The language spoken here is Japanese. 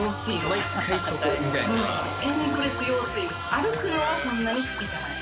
歩くのはそんなに好きじゃない。